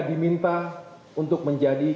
diminta untuk menjadi